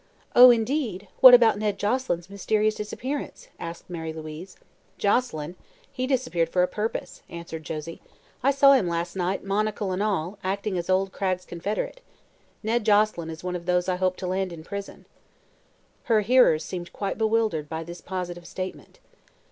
"Oh, indeed! What about Ned Joselyn's mysterious disappearance?" asked Mary Louise. "Joselyn? He disappeared for a purpose," answered Josie. "I saw him last night monocle and all acting as old Cragg's confederate. Ned Joselyn is one of those I hope to land in prison." Her hearers seemed quite bewildered by this positive statement.